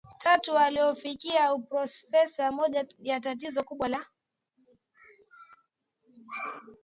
tatu na waliofikia uprofesa Moja ya tatizo kubwa la